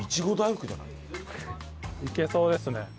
いけそうですね。